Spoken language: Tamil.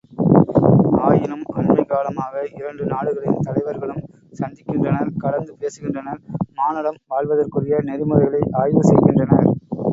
ஆயினும் அண்மைக் காலமாக இரண்டு நாடுகளின் தலைவர்களும் சந்திக்கின்றனர் கலந்து பேசுகின்றனர் மானுடம் வாழ்வதற்குரிய நெறிமுறைகளை ஆய்வு செய்கின்றனர்.